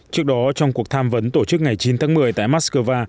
trước đó trong cuộc tham vấn tổ chức ngày chín tháng một mươi tại moscow